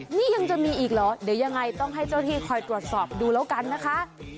นี่ยังจะมีอีกเหรอเดี๋ยวยังไงต้องให้เจ้าที่คอยตรวจสอบดูแล้วกันนะคะ